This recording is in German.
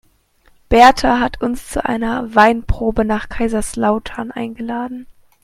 Berta hat uns zu einer Weinprobe nach Kaiserslautern eingeladen.